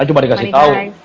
cuma dikasih tau